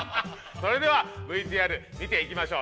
それではＶＴＲ見ていきましょう。